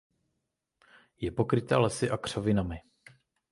Je pokryta lesy a křovinami.